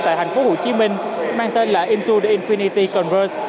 tại thành phố hồ chí minh mang tên là into the infinity converse